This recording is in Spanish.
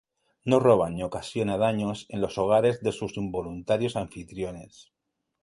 No roba ni ocasiona daños en los hogares de sus involuntarios anfitriones.